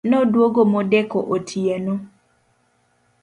Noduogo modeko otieno